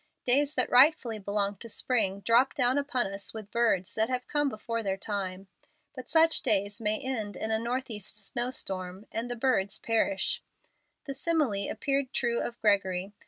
Days that rightfully belong to spring drop down upon us with birds that have come before their time. But such days may end in a northeast snowstorm and the birds perish. The simile appeared true of Gregory.